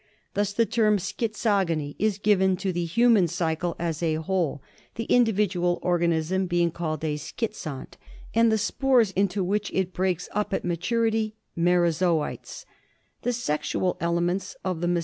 Thus the term Schizogony is given to the human cycle as a whole, the individual organism being called a Schizont, and the spores into which it ' "the^lesofbhase^., ' breaks up at maturity Merosoites. MALARIA PARASITE The sexual elements of the mos